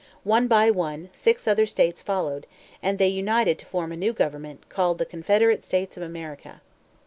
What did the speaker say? One by one, six other states followed; and they united to form a new government, called the Confederate States of America.